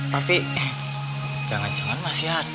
tapi jangan jangan masih ada